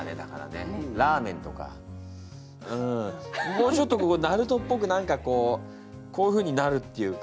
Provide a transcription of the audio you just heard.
もうちょっとここなるとっぽく何かこうこういうふうになるっていうか。